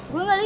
gue gak liat